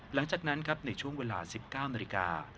หลังจากนั้นครับในช่วงเวลา๑๙นาฬิกา